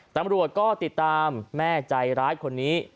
ตำรวจก็ติดตามแม่ใจร้ายคนนี้